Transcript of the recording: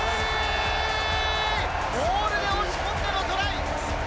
モールで押し込んでのトライ！